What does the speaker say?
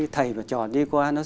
thầy mà tròn đi qua